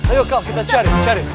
ayo kalau kita cari cari